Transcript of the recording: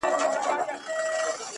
ما یي سرونه تر عزت جارول-